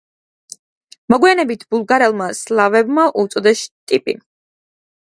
მოგვიანებით ბულგარელმა სლავებმა უწოდეს შტიპი.